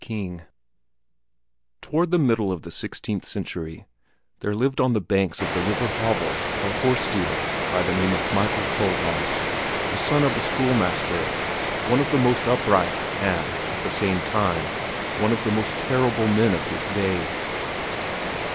KING Toward the middle of the sixteenth century there lived on the banks of the river Havel a horse dealer by the name of Michael Kohlhaas, the son of a school master, one of the most upright and, at the same time, one of the most terrible men of his day.